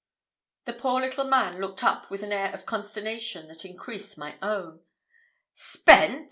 The poor little man looked up with an air of consternation that increased my own. "Spent!"